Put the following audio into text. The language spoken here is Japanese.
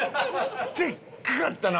でっかかったな。